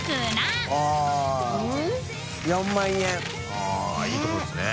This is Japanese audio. あぁいいとこですね。